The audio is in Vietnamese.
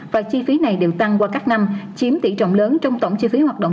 và chi phí này đều tăng qua các năm chiếm tỷ trọng lớn trong tổng chi phí hoạt động